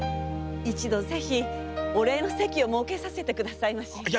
一度ぜひお礼の席を設けさせてくださいまし。